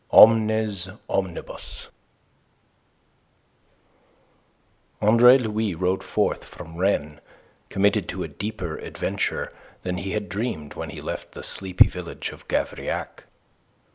OMNES OMNIBUS Andre Louis rode forth from Rennes committed to a deeper adventure than he had dreamed of when he left the sleepy village of Gavrillac.